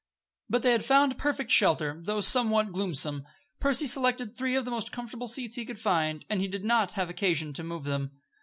But they had found perfect shelter, though somewhat gloomsome. Percy selected three of the most comfortable seats he could find, and he did not have occasion to move them.